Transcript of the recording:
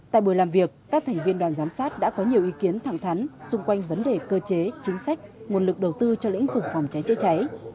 tại buổi làm việc các thành viên đoàn giám sát đã có nhiều ý kiến thẳng thắn xung quanh vấn đề cơ chế chính sách nguồn lực đầu tư cho lĩnh vực phòng cháy chữa cháy